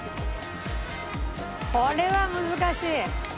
これは難しい。